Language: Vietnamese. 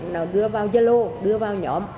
nó đưa vào zillow đưa vào nhóm